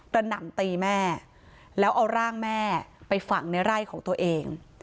หน่ำตีแม่แล้วเอาร่างแม่ไปฝังในไร่ของตัวเอง